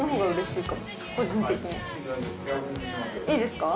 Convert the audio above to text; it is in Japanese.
いいですか？